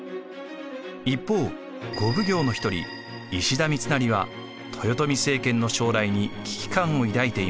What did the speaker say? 一方五奉行の一人石田三成は豊臣政権の将来に危機感を抱いていました。